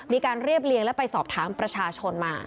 เรียบเรียงและไปสอบถามประชาชนมา